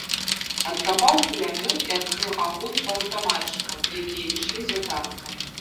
Адкапаў кулямёт і адкрыў агонь па аўтаматчыкам, якія ішлі за танкам.